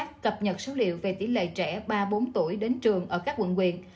sở đang ra soát cập nhật số liệu về tỷ lệ trẻ ba bốn tuổi đến trường ở các quận quyền